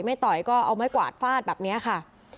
ต่อยก็เอาไม้กวาดฟาดแบบนี้ค่ะ